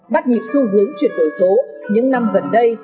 bắt nhịp xu hướng chuyển đổi số những năm gần đây